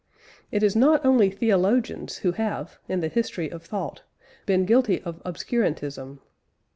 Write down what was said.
It is not only theologians who have, in the history of thought, been guilty of obscurantism.